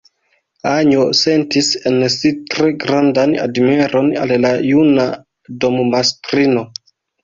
Anjo sentis en si tre grandan admiron al la juna dommastrino.